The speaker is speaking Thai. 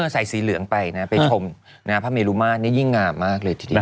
ใส่สีเหลืองไปนะฮะไปชมภาพเมลูมานยิ่งงามมากเลยที่ที่นี่